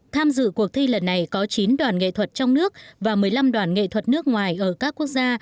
tham dự cuộc thi lần này có chín đoàn nghệ thuật trong nước và một mươi năm đoàn nghệ thuật nước ngoài ở các quốc gia